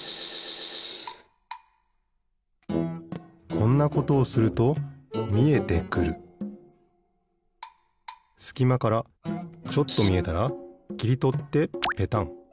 こんなことをするとみえてくるすきまからちょっとみえたらきりとってペタン。